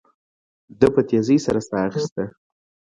ده په تيزۍ سره ساه اخيسته.